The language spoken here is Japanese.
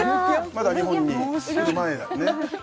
まだ日本に来る前だね